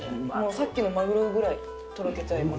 さっきのマグロぐらいとろけちゃいます。